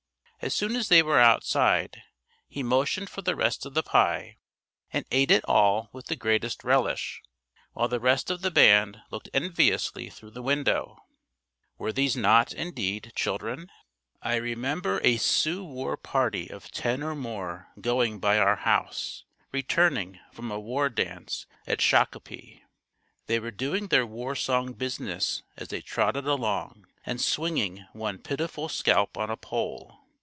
As soon as they were outside he motioned for the rest of the pie and ate it all with the greatest relish while the rest of the band looked enviously through the window. Were these not, indeed, children? I remember a Sioux war party of ten or more going by our house, returning from a war dance at Shakopee. They were doing their war song business as they trotted along and swinging one pitiful scalp on a pole.